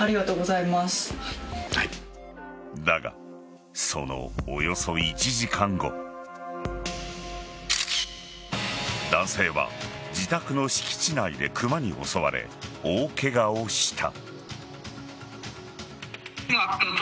だが、そのおよそ１時間後男性は自宅の敷地内でクマに襲われ大ケガをした。